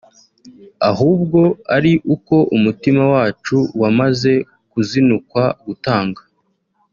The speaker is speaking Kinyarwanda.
ahubwo ari uko umutima wacu wamaze kuzinukwa gutanga